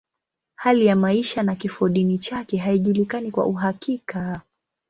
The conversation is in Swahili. Hali ya maisha na kifodini chake haijulikani kwa uhakika.